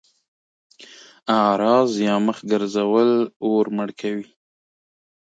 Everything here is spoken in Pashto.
اعراض يا مخ ګرځول اور مړ کوي.